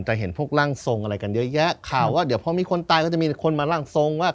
แต่เห็นพวกร่างทรงอะไรกันเยอะแยะข่าวว่าเดี๋ยวพอมีคนตายก็จะมีคนมาร่างทรงว่า